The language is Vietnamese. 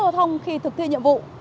cảnh sát giao thông khi thực thi nhiệm vụ